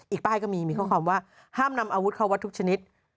ป้ายก็มีมีข้อความว่าห้ามนำอาวุธเข้าวัดทุกชนิด